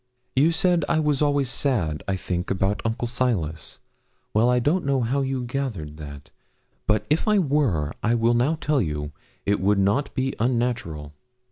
'You said I was always sad, I think, about Uncle Silas. Well, I don't know how you gather that; but if I were, I will now tell you, it would not be unnatural.